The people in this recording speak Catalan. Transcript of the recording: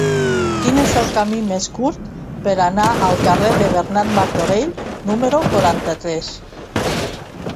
Quin és el camí més curt per anar al carrer de Bernat Martorell número quaranta-tres?